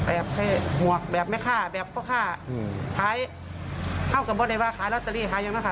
เอามาไว้ทั้งหัวกับสิบเป็นหลอกอีโมง